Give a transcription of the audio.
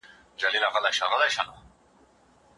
کله چې ما نوی ډیجیټل قلم واخیست نو رسمول مې اسانه شول.